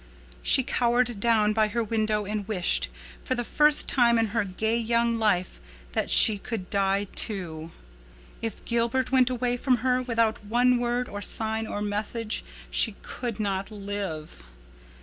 She cowered down by her window and wished, for the first time in her gay young life, that she could die, too. If Gilbert went away from her, without one word or sign or message, she could not live.